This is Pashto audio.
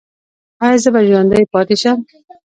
ایا زه به ژوندی پاتې شم؟